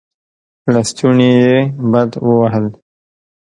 لستوڼې يې بډ ووهل.